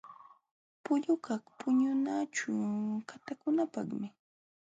Pullukaq puñunaćhu qatakunapaqmi.